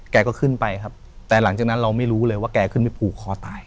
แกก็ขึ้นไปครับแต่หลังจากนั้นเราไม่รู้เลยว่าแกขึ้นไปผูกคอตาย